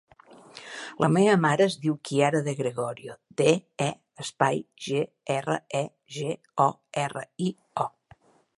La meva mare es diu Kiara De Gregorio: de, e, espai, ge, erra, e, ge, o, erra, i, o.